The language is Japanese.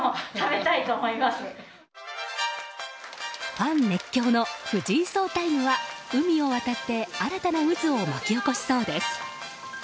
ファン熱狂の藤井ソウタイムは海を渡って新たな渦を巻き起こしそうです。